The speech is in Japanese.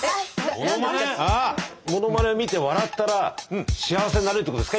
ものまね見て笑ったら幸せになれるってことですか？